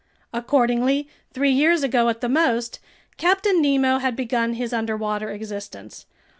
Accordingly, three years ago at the most, Captain Nemo had begun his underwater existence.